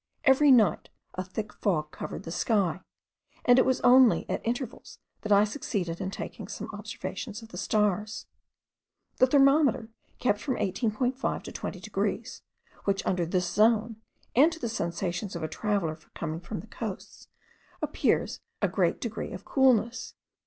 Every night a thick fog covered the sky, and it was only at intervals that I succeeded in taking some observations of the stars. The thermometer kept from 18.5 to 20 degrees, which under this zone, and to the sensations of a traveller coming from the coasts, appears a great degree of coolness.